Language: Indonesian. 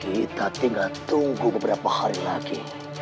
kita tinggal tunggu beberapa hari lagi